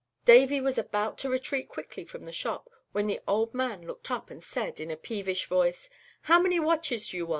Davy was about to retreat quickly from the shop, when the old man looked up, and said, in a peevish voice: [Illustration: "'HOW MANY WATCHES DO YOU WANT?'